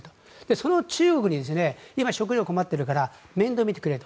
その中国に今食糧が困っているから面倒見てくれと。